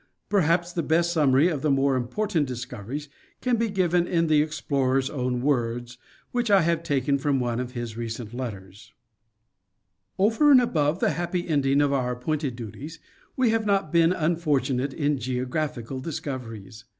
Perhaps the best summary of the more important discov eries can be given in the explorer's own words, which I have taken from one of his recent letters : 'Over and above the happy ending of our appointed duties we have "not been unfortunatein geographical discoveries.